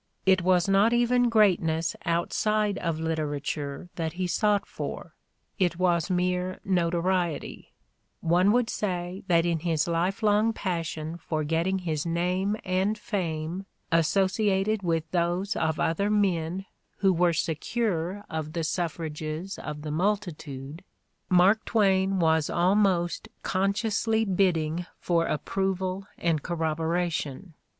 It was not even greatness outside of literature that he sought for, it was mere notoriety : one would say that in his lifelong passion for getting his name and fame associated with those of other men who were secure of the suffrages of the multitude 136 The Ordeal of Mark Twain Mark Twain was almost consciously bidding for ap proval and corroboration.